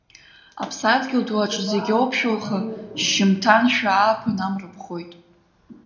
Аԥсадгьыл ду аҿ зегь оуԥшәылха, шьжьымҭаншәа ааԥын амра ԥхоит.